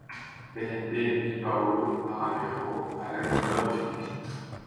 Caliente est née Paulo Arabejo à Laguna, aux Philippines.